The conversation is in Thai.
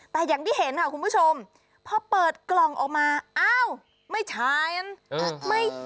แต่อย่างที่เห็นค่ะคุณผู้ชมพอเปิดกล่องออกมาอ้าวไม่ใช้นะ